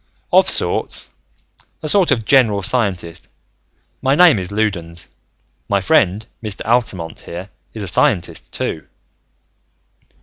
"Of sorts. A sort of general scientist. My name is Loudons. My friend, Mr. Altamont, here, is a scientist, too."